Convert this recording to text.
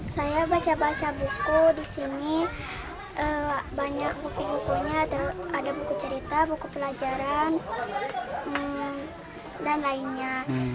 saya baca baca buku di sini banyak buku bukunya terus ada buku cerita buku pelajaran dan lainnya